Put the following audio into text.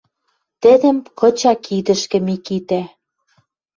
Тӹдӹм кыча кидӹшкӹ Микитӓ —